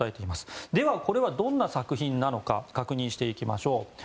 これはどんな作品なのか確認していきましょう。